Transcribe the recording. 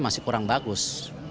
masih kurang bagus